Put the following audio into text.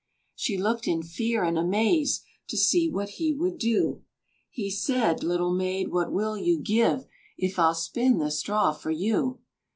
She looked in fear and amaze To see what he would do; He said, "Little maid, what will you give If I'll spin the straw for you?"